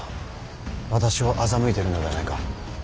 私を欺いているのではないか。